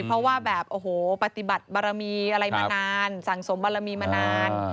เพราะว่าแบบโอ้โหปฏิบัติบารมีอะไรมานานสั่งสมบารมีมานาน